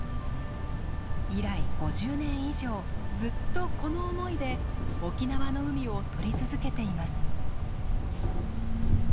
以来５０年以上ずっとこの思いで沖縄の海を撮り続けています。